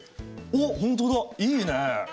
おっ本当だいいね。